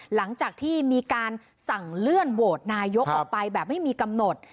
หลังจากที่มีการสั่งเลื่อนโหวตนายกออกไปแบบไม่มีกำหนด